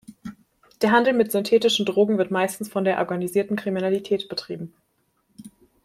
Der Handel mit synthetischen Drogen wird meistens von der organisierten Kriminalität betrieben.